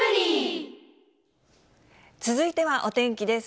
続いてはお天気です。